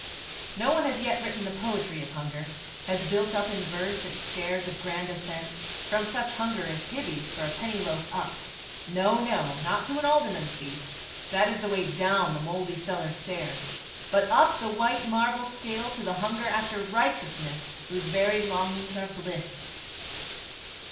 No one has yet written the poetry of hunger has built up in verse its stairs of grand ascent from such hunger as Gibbie's for a penny loaf up no, no, not to an alderman's feast; that is the way down the mouldy cellar stair but up the white marble scale to the hunger after righteousness whose very longings are bliss.